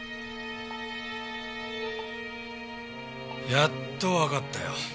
やっとわかったよ。